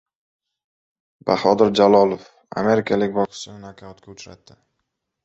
Bahodir Jalolov amerikalik bokschini nokautga uchratdi